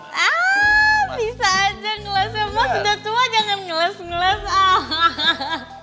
ah bisa aja ngeles ya mas udah tua jangan ngeles ngeles